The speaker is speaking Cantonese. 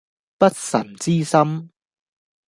不臣之心